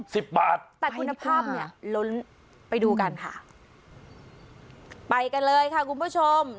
สิบบาทแต่คุณภาพเนี่ยล้นไปดูกันค่ะไปกันเลยค่ะคุณผู้ชม